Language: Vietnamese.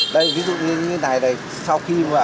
đây ví dụ như này này sau khi